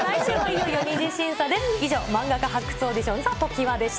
来週も、いよいよ２次審査です。